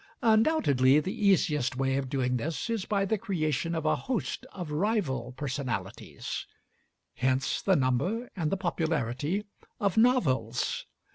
Undoubtedly the easiest way of doing this is by the creation of a host of rival personalities hence the number and the popularity of novels.